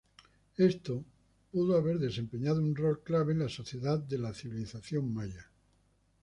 Esto pudo haber desempeñado un rol clave en la sociedad de la civilización Maya.